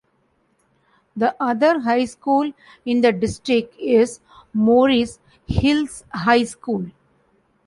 The other high school in the district is Morris Hills High School.